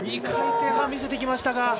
２回転半見せてきましたが。